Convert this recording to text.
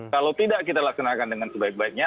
kalau tidak kita laksanakan dengan sebaik baiknya